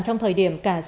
trong thời điểm cả xã hội